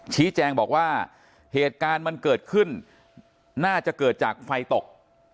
ชี้แจงบอกว่าเหตุการณ์มันเกิดขึ้นน่าจะเกิดจากไฟตก